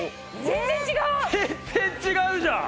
全然違うじゃん！